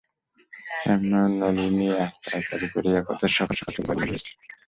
হেমনলিনী আজ তাড়াতাড়ি করিয়া কত সকাল-সকাল চুল বাঁধিয়া লইয়াছে।